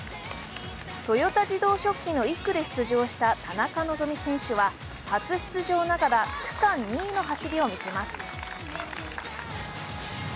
豊田自動織機の１区で出場した田中希実選手は初出場ながら区間２位の走りを見せます。